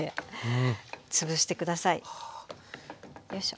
よいしょ。